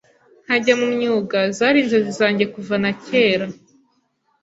nkajya mu myuga zari inzozi zange kuva na kera